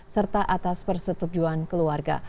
serta atas persetujuan keluarga